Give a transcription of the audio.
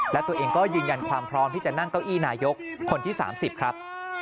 และตัวเองก็ยืนยันความพร้อมที่จะนั่งเก้าอี้นายกคนที่๓๐ครับ